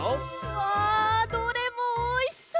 わどれもおいしそう！